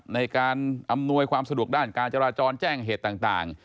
ในการอำนวยความสะดวกด้านการจราจรแจ้งเหตุต่าง